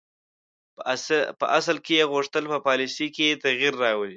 په اصل کې یې غوښتل په پالیسي کې تغییر راولي.